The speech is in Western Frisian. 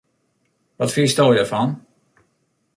Wat fynsto derfan?